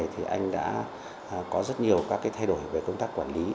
thì anh đã có rất nhiều các cái thay đổi về công tác quản lý